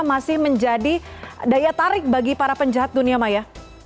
masih menjadi daya tarik bagi para penjahat dunia maya